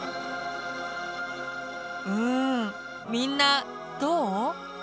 うんみんなどう？